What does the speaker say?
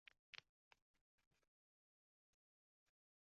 Oʻyin qoidalarida koʻra oʻzlari shubhali deb biladi